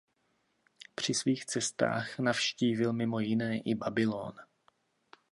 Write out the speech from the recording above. Při svých cestách navštívil mimo jiné i Babylón.